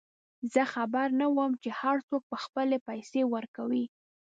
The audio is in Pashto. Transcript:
زه خبر نه وم چې هرڅوک به خپلې پیسې ورکوي.